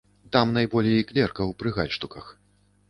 Там найболей клеркаў пры гальштуках.